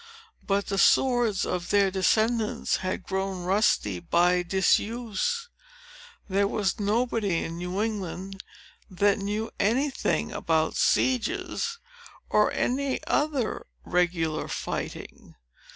But the swords of their descendants had grown rusty by disuse. There was nobody in New England that knew any thing about sieges, or any other regular fighting.